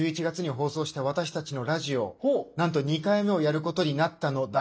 １１月に放送した私たちのラジオなんと２回目をやることになったの。